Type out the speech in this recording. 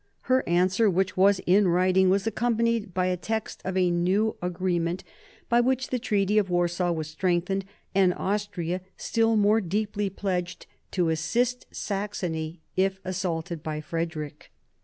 Her answer, which was in writing, was accompanied by the text of a new agreement by which the Treaty of Warsaw was strengthened and Austria still more deeply pledged to assist Saxony if assaulted by Frederick.